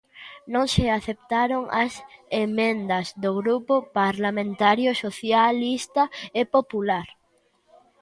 Non se aceptaron as emendas do Grupo Parlamentario Socialista e Popular.